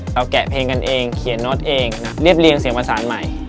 เราแกะเพลงกันเองเขียนโน๊ตเองนะครับเรียบรียังเสียงภาษาอันใหม่